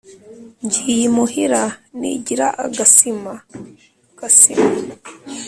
najyiye imuhira nijyira agasima (agasima)